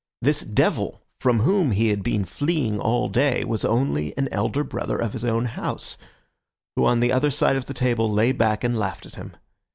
This devil from whom he had been fleeing all day was only an elder brother of his own house, who on the other side of the table lay back and laughed at him.